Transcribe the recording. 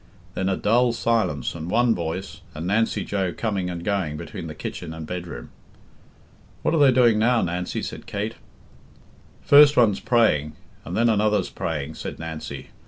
Then a dull silence and one voice, and Nancy Joe coming and going between the kitchen and bedroom. "What are they doing now, Nancy?" said Kate. "First one's praying, and then another's praying," said Nancy.